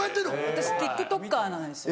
私ＴｉｋＴｏｋｅｒなんですよ。